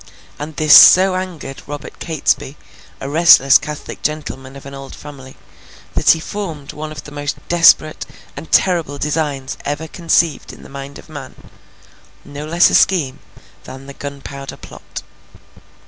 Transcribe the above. And this so angered Robert Catesby, a restless Catholic gentleman of an old family, that he formed one of the most desperate and terrible designs ever conceived in the mind of man; no less a scheme than the Gunpowder Plot.